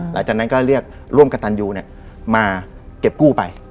หลังจากนั้นก็เรียกร่วมกับตันยูมาเก็บกู้ไป